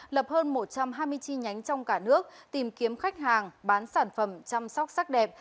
lập hơn một trăm hai mươi chi nhánh trong cả nước tìm kiếm khách hàng bán sản phẩm chăm sóc sắc đẹp